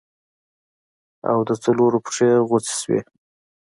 او د څلورو پښې غوڅې سوې.